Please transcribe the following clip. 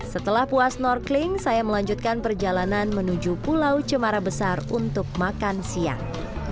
setelah puas snorkeling saya melanjutkan perjalanan menuju pulau cemara besar untuk makan siang